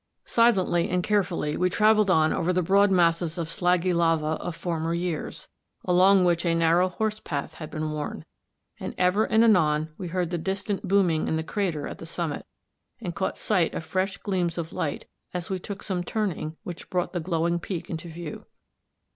Silently and carefully we travelled on over the broad masses of slaggy lava of former years, along which a narrow horse path had been worn; and ever and anon we heard the distant booming in the crater at the summit, and caught sight of fresh gleams of light as we took some turning which brought the glowing peak into view.